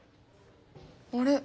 あれ？